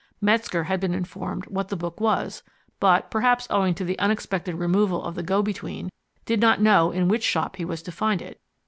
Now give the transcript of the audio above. Metzger had been informed what the book was, but perhaps owing to the unexpected removal of the go between did not know in which shop he was to find it.